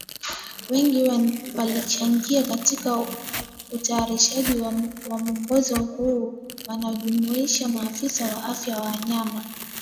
Watu wengi walichangia katika utayarishaji wa mwongozo huu Wanajumuisha maafisa wa afya ya wanyama